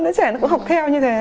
đứa trẻ nó cũng học theo như thế